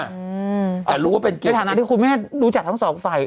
ในฐานะที่คุณแม่นรู้จักทั้งสองฝ่าย